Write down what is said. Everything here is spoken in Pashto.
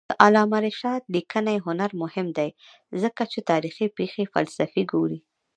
د علامه رشاد لیکنی هنر مهم دی ځکه چې تاریخي پېښې فلسفي ګوري.